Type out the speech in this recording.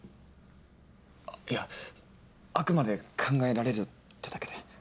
あっいやあくまで考えられるってだけで。